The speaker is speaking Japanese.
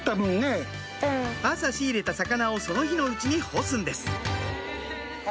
朝仕入れた魚をその日のうちに干すんです